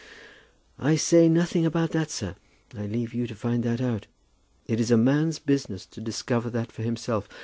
"I say nothing about that, sir. I leave you to find that out. It is a man's business to discover that for himself.